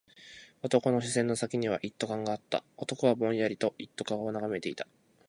男の視線の先には一斗缶があった。男はぼんやりと一斗缶を眺めていた。